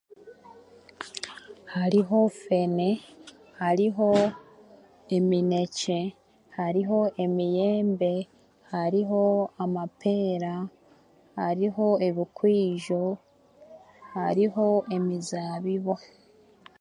Hariho fene, hariho eminekye, hariho emiyembe, hariho amapeera, hariho ebikoijo, emizaabibu.